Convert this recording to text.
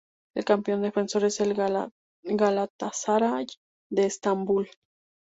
El campeón defensor es el Galatasaray de Estambul.